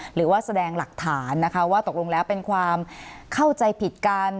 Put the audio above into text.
หรือว่าแสดงหลักฐานนะคะว่าตกลงแล้วเป็นความเข้าใจผิดกัน